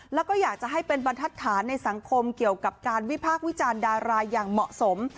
แล้วก็อยากจะให้เป็นบรรทัศนในสังคมเกี่ยวกับการวิพากษ์วิจารณ์ดาราอย่างเหมาะสม